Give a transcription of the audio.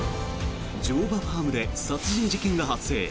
乗馬ファームで殺人事件が発生。